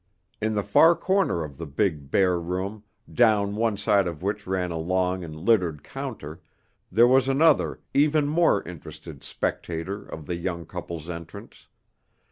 In the far corner of the big, bare room, down one side of which ran a long and littered counter, there was another, even more interested spectator of the young couple's entrance.